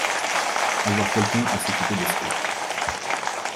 Avoir quelqu’un à s’occuper de soi.